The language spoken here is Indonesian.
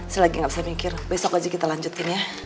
selagi gak usah mikir besok aja kita lanjutin ya